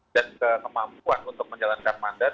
dan kemampuan untuk menjalankan mandat